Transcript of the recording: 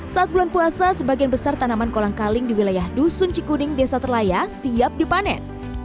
saat bulan puasa sebagian besar tanaman kolang kaling di wilayah dusun cikuning desa terlaya siap dipanen